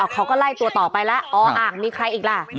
เขาก็ไล่ตัวต่อไปแล้วออ่างมีใครอีกล่ะ